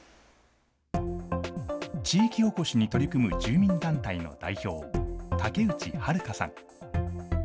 地域おこしに取り組む住民団体の代表、竹内春華さん。